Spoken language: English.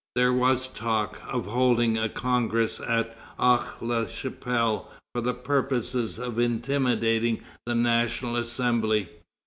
There was talk of holding a Congress at Aix la Chapelle for the purpose of intimidating the National Assembly.